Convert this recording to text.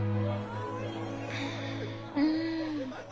うん。